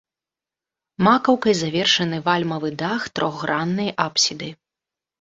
Макаўкай завершаны вальмавы дах трохграннай апсіды.